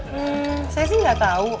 hmm saya sih gak tau